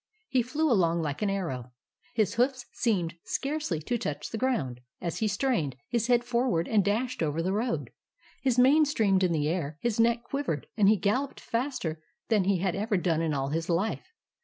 He flew along like an arrow ; his hoofs seemed scarcely to touch the ground, as he strained his head forward and dashed over the road ; his mane streamed in the air, his neck quiv ered, and he galloped faster than he had ever done in all his life.